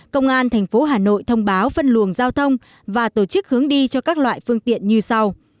công an thành phố hà nội thông báo phân luồng giao thông và tổ chức hướng đi cho các loại phương tiện như sau